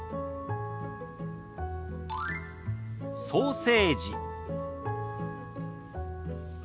「ソーセージ」。